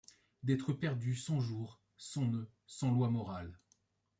D’êtres perdus, sans jour, sans nœud, sans loi morale